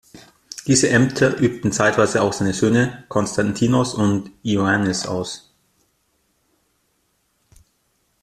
Diese Ämter übten zeitweise auch seine Söhne Konstantinos und Ioannis aus.